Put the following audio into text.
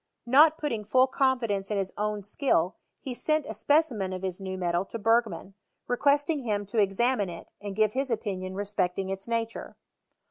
Not putting full confi dence in his own skill, he sent a specimen of his new metal to Bergman, requesting him to examine it and give his opinion respecting its nature.